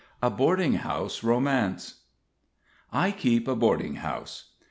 A BOARDING HOUSE ROMANCE. I keep a boarding house.